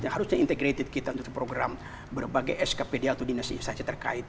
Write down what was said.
harusnya integrated kita untuk program berbagai skpd atau dinas instansi terkait